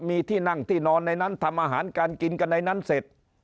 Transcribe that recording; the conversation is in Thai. มีที่นั่งที่นอนในนั้นทำอาหารการกินกันในนั้นเสร็จ